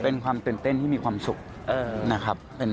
เป็นความตื่นเต้นที่มีความสุขนะครับ